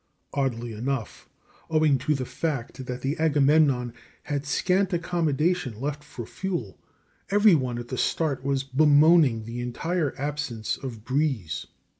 Oddly enough, owing to the fact that the Agamemnon had scant accommodation left for fuel, every one at the start was bemoaning the entire absence of breeze.